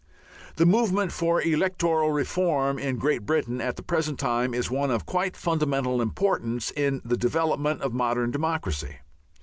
The movement for electoral reform in Great Britain at the present time is one of quite fundamental importance in the development of modern democracy.